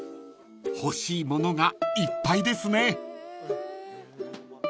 ［欲しいものがいっぱいですね］